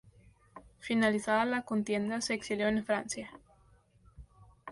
Finalizada la contienda se exilió en Francia.